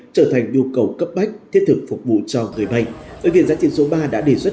trở thành nhu cầu cấp bách thiết thực phục vụ cho người bệnh bệnh viện giã chiến số ba đã đề xuất